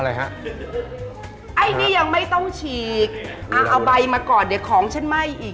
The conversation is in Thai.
อะไรฮะไอ้นี้ยังไม่ต้องฉีกเอาใบมันก่อนเดี๋ยวของฉันไหม้อีก